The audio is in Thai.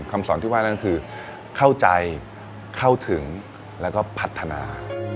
คำสอนที่ว่านั่นคือเข้าใจเข้าถึงแล้วก็พัฒนา